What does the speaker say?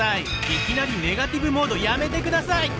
いきなりネガティブモードやめて下さい！